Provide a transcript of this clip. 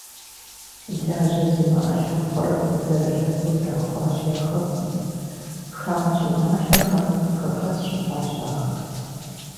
Лажьэ зимыӀэ лъэпкъыр зэрылъэпкъыу ирахуащ я хэкум, хамэ щӀыналъэхэм хэхэс щыхъуащ ахэр.